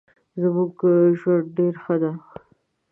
زمونږ ژوند ډیر ښه دې